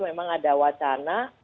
memang ada wacana